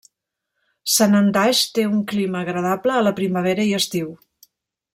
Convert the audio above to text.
Sanandaj té un clima agradable a la primavera i estiu.